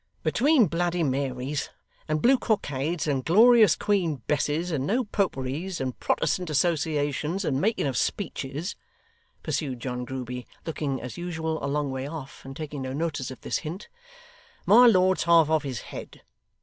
'Between Bloody Marys, and blue cockades, and glorious Queen Besses, and no Poperys, and Protestant associations, and making of speeches,' pursued John Grueby, looking, as usual, a long way off, and taking no notice of this hint, 'my lord's half off his head.